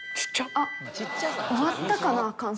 あっ終わったかな乾燥。